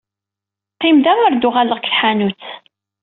Qim da ar d-uɣaleɣ seg tḥanut.